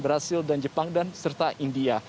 brazil dan jepang dan serta india